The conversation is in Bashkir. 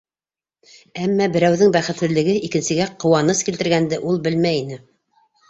Әммә берәүҙең бәхетһеҙлеге икенсегә ҡыуаныс килтергәнде ул белмәй ине.